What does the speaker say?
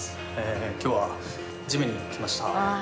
今日はジムに来ました。